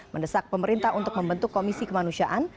mendesak pemerintah untuk membentuk komisi kemanusiaan